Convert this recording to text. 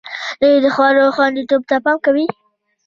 دوی د خوړو خوندیتوب ته پام کوي.